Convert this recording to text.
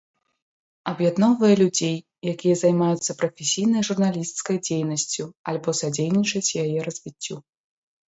Аб'ядноўвае людзей, якія займаюцца прафесійнай журналісцкай дзейнасцю альбо садзейнічаюць яе развіццю.